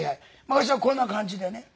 昔はこんな感じでね。